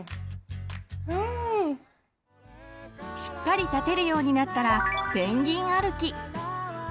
しっかり立てるようになったらペンギン歩き。